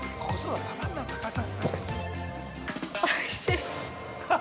◆おいしい。